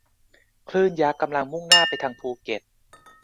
คลื่นยักษ์กำลังมุ่งหน้าไปทางภูเก็ต